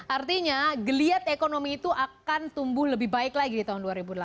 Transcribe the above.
artinya geliat ekonomi itu akan tumbuh lebih baik lagi di tahun dua ribu delapan belas